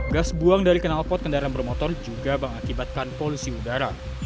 gas buang dari kenalpot kendaraan bermotor juga mengakibatkan polusi udara